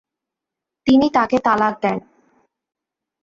তিনি তাকে তালাক দেন।